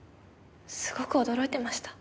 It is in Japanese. すごく驚いてました。